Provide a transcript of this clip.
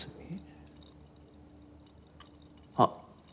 あっ。